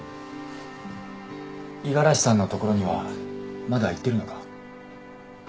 五十嵐さんのところにはまだ行ってるのか？